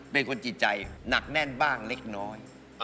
เป็นคนจิตใจหนักแน่นบ้างเล็กน้อย